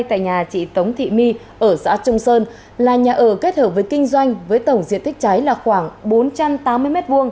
tại nhà chị tống thị my ở xã trung sơn là nhà ở kết hợp với kinh doanh với tổng diện tích cháy là khoảng bốn trăm tám mươi m hai